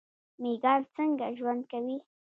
میږیان څنګه ژوند کوي؟